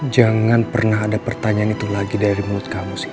jangan pernah ada pertanyaan itu lagi dari mulut kamu sih